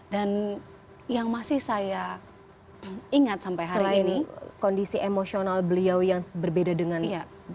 dan yang masih saya ingat sampai hari ini kondisi emosional beliau yang berbeda dengan saya